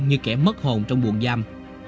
như kẻ mất hồn trong buồn giam